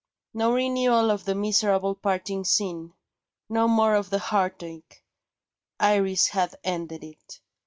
No renewal of the miserable parting scene: no more of the heartache Iris had ended it!